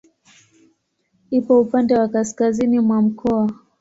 Ipo upande wa kaskazini mwa mkoa.